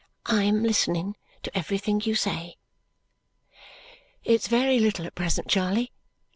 "I am listening to everything you say." "It's very little at present, Charley.